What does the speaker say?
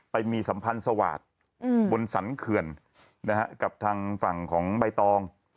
ไปมีสัมพันธ์สวาสตร์บนสรรเขื่อนกับทางฝั่งของใบตอง